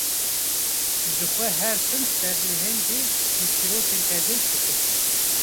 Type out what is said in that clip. Jixwe her tim serlehengê çîrçîrokên qezenç dikir